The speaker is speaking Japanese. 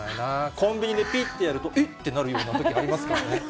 コンビニでぴってやると、えってなるようなときありますからね。